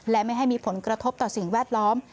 และไม่ให้มีผลกระทบต่อสิ่งแวดล้อม